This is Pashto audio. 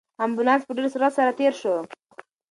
امبولانس په ډېر سرعت سره تېر شو.